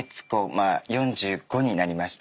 まあ４５になりました。